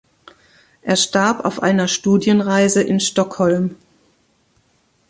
Er starb auf einer Studienreise in Stockholm.